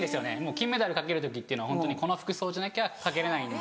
金メダルかける時っていうのはこの服装じゃなきゃかけれない。